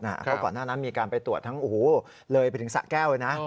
เพราะก่อนหน้านั้นมีการไปตรวจทั้งเลยไปถึงสะแก้วเลยนะ